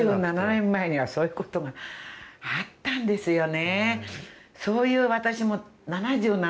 ７７年前にはそういう事があったんですよね。